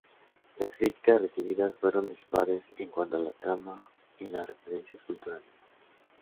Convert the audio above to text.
Las críticas recibidas fueron dispares en cuanto a la trama y las referencias culturales.